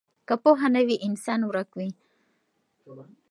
که پوهه نه وي انسان ورک وي.